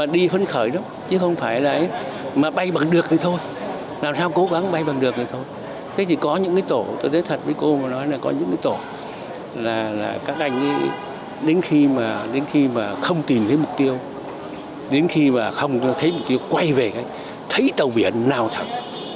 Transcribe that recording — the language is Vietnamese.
đến khi mà không tìm thấy mục tiêu đến khi mà không thấy mục tiêu quay về thấy tàu biển nào thật